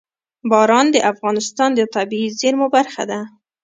باران د افغانستان د طبیعي زیرمو برخه ده.